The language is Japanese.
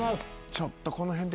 ちょっとこの辺で。